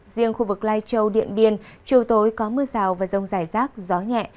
riêng khu vực lai châu điện biên chiều tối có mưa rào và rông rải rác gió nhẹ